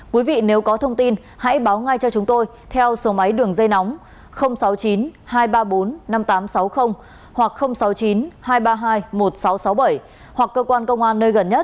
quý vị nếu có thông tin hãy báo ngay cho chúng tôi theo số máy đường dây nóng sáu mươi chín hai trăm ba mươi bốn năm nghìn tám trăm sáu mươi hoặc sáu mươi chín hai trăm ba mươi hai một nghìn sáu trăm sáu mươi bảy hoặc cơ quan công an nơi gần nhất